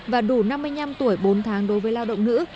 và đủ năm mươi năm tuổi bốn tháng đối với lao động nữ